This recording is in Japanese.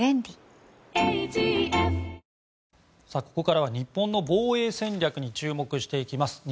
ここからは日本の防衛戦略に注目していきます。